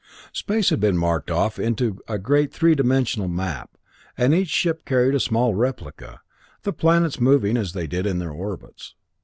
Space had been marked off into a great three dimensional map, and each ship carried a small replica, the planets moving as they did in their orbits.